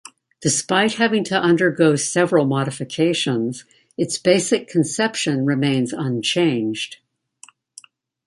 Despite having to undergo several modifications, its basic conception remains unchanged.